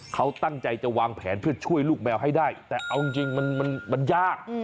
เขาตั้งใจจะวางแผนเพื่อช่วยลูกแมวให้ได้แต่เอาจริงมันยาก